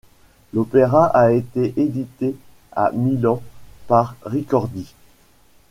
L'opéra a été édité à Milan par Ricordi.